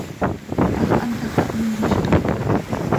Hax antá xah miizcam.